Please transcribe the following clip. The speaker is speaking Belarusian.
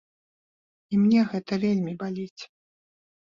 І мне гэта вельмі баліць.